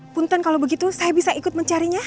punten kalau begitu saya bisa ikut mencarinya